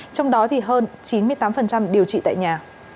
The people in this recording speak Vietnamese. trong đó thì hơn chín mươi tám điều trị tại nhà